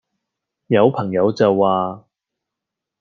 有朋友就話